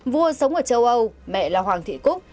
vua sống ở châu âu mẹ là hoàng thị cúc